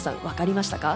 分かりました。